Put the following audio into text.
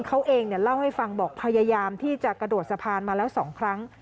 เขาเองเล่าให้ฟังบอกพยายามที่จะกระโดดสะพานมาแล้ว๒ครั้ง